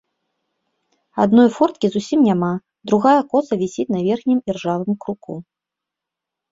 Адной форткі зусім няма, другая коса вісіць на верхнім іржавым круку.